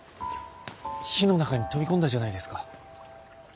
火の中に飛び込んだじゃないですか。